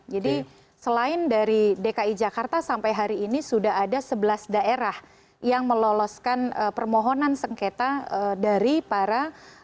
jadi selain dari dki jakarta sampai hari ini sudah ada sebelas daerah yang meloloskan permohonan sengketa dari para